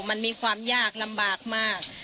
มันมีความยากลำบากมาก